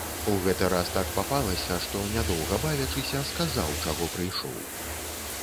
Гэты раз так папалася, што не доўга бавячыся сказаў, чаго прыйшоў.